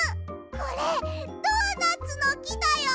これドーナツのきだよ。